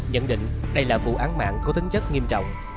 nhận định đây là vụ án mạng có tính chất nghiêm trọng